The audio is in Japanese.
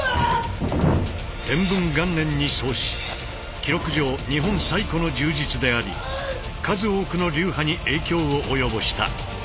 記録上日本最古の柔術であり数多くの流派に影響を及ぼした。